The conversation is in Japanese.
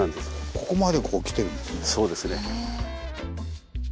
ここまでこうきてるんですね。